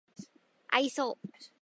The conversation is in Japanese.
愛想